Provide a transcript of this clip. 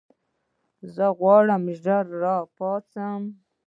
زه غواړم ژر راپاڅم.